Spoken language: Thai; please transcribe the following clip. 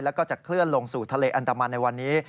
แล้วก็จะเคลื่อนลงสู่ทะเลอันดามันในวันนี้